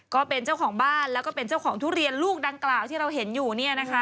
ก็เป็นเจ้าของบ้านแล้วก็เป็นเจ้าของทุเรียนลูกดังกล่าวที่เราเห็นอยู่เนี่ยนะคะ